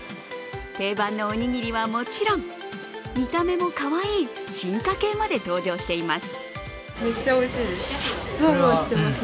定番のおにぎりはもちろん見た目もかわいい進化形まで登場しています。